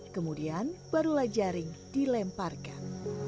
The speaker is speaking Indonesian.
kemudian barulah jaring dilemparkan